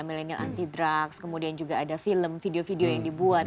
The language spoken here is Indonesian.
millennial anti drugs kemudian juga ada film video video yang dibuat